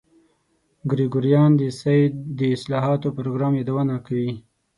ګریګوریان د سید د اصلاحاتو پروګرام یادونه کوي.